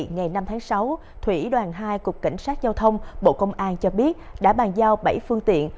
ngày năm tháng sáu thủy đoàn hai cục cảnh sát giao thông bộ công an cho biết đã bàn giao bảy phương tiện